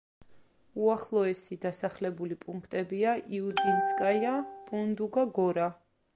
უახლოესი დასახლებული პუნქტებია: იუდინსკაია, პუნდუგა, გორა.